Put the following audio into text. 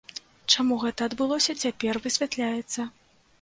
Чаму гэта адбылося, цяпер высвятляецца.